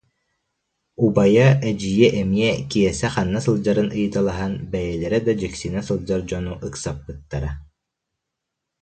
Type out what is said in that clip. Убайа, эдьиийэ эмиэ Киэсэ ханна сылдьарын ыйыталаһан, бэйэлэрэ да дьиксинэ сылдьар дьону ыксаппыттара